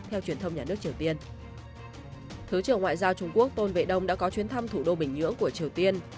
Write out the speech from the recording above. thứ trưởng ngoại giao trung quốc tôn vệ đông đã có chuyến thăm thủ đô bình nhưỡng của triều tiên